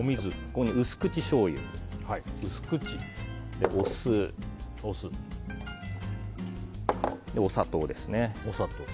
薄口しょうゆお酢、お砂糖ですね。